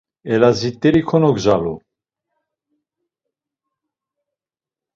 Elazit̆eri konogzalu.